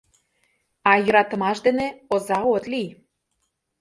А йӧратымаш дене оза от лий.